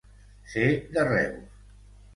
Ser de Reus.